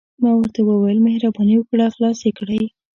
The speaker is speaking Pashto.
ما ورته وویل: مهرباني وکړه، خلاص يې کړئ.